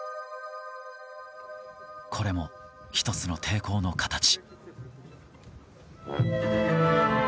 これも１つの抵抗の形。